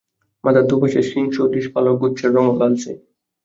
মাথার দুপাশের শিংসদৃশ পালকগুচ্ছের রংও লালচে।